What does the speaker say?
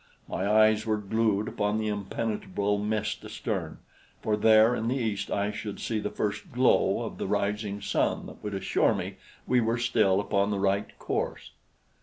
My eyes were glued upon the impenetrable mist astern, for there in the east I should see the first glow of the rising sun that would assure me we were still upon the right course.